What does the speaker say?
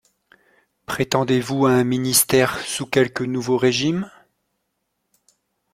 Prétendez-vous à un ministère sous quelque nouveau régime?